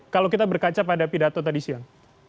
kalau kita berkaca pada pidato tadi siang